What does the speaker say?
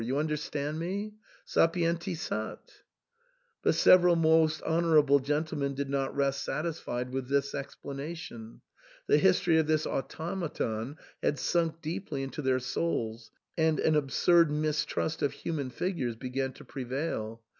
You understand me ? Sqpienti sat But several most honourable gen tlemen did not rest satisfied with this explanation ; the history of this automaton had sunk deeply into their souls, and an absurd mistrust of human figures began to prevail.